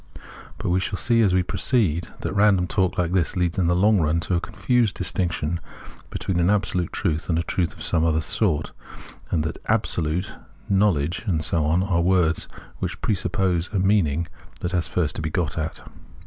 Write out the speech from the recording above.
But we shall see as we proceed that random talk like this leads in the long run to a confused distinction between an absolute truth and a truth of some other sort, and that " absolute," " knowledge," and so on, are words which presuppose a meaning that has first to be got at.